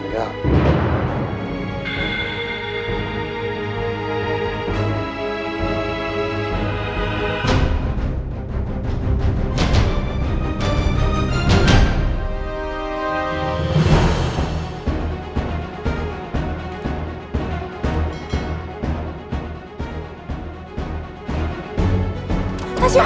makasih tau tak